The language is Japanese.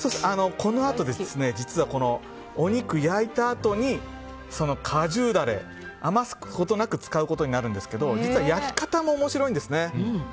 このあと、実はお肉焼いたあとに果汁ダレ、余すことなく使うことになるんですけど実は焼き方も面白いんですね。